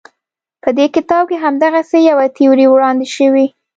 په دې کتاب کې همدغسې یوه تیوري وړاندې شوې.